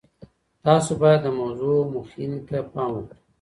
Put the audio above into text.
تاسو باید د موضوع مخینې ته پام وکړئ.